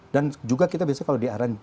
dan juga kita biasanya kalau di airline